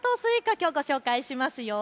きょうご紹介しますよ。